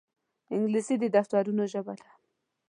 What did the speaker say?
انګلیسي د دفترونو ژبه ده